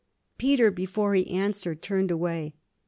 Peter, before he answered, turned away.